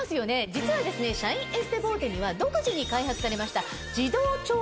実はシャインエステボーテには独自に開発されました。